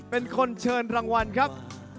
เป็นคนเชิญรางวัลครับ